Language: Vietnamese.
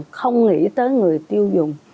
không nghĩ tới người tiêu dùng